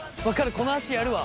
この足やるわ。